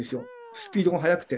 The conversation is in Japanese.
スピードが速くて。